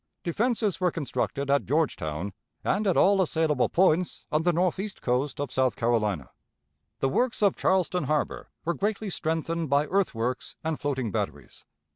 Defenses were constructed at Georgetown, and at all assailable points on the northeast coast of South Carolina. The works of Charleston Harbor were greatly strengthened by earthworks and floating batteries.